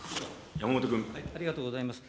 ありがとうございます。